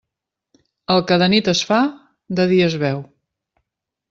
El que de nit es fa, de dia es veu.